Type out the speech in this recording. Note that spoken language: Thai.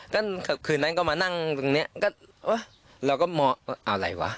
ก็คืนนั้นก็มานั่งตรงเนี้ยก็ว่ะเราก็มอเอาไหล่วะ